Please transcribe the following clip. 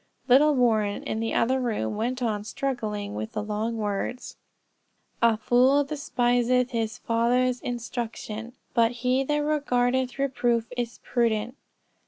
Little Warren, in the other room, went on struggling with the long words, "A fool despiseth his father's instruction: but he that regardeth reproof is prudent."